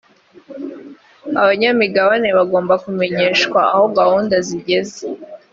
abanyamigabane bagomba kumenyeshwa aho gahunda zigeze